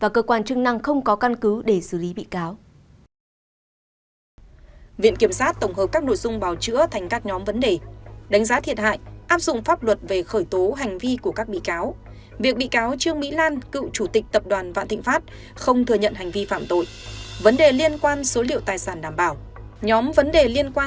các bạn hãy đăng ký kênh để ủng hộ kênh của chúng mình nhé